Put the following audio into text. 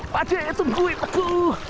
pace itu buit aku